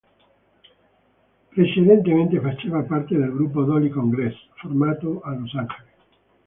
Precedentemente faceva parte del gruppo Doll Congress, formato a Los Angeles.